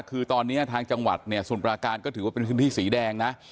คือตอนนี้ทางจังหวัดเนี่ยสมุทรปราการก็ถือว่าเป็นพื้นที่สีแดงนะ